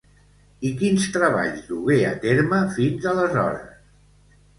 I quins treballs dugué a terme, fins aleshores?